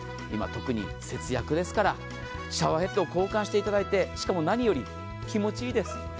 今、特に節約ですからシャワーヘッド交換していただいて、しかも何より気持ちいいです。